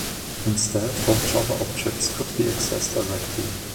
Instead, all Java objects could be accessed directly.